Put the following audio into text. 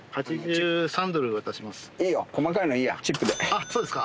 あっそうですか。